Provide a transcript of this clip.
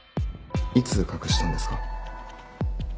いつ隠したんですか？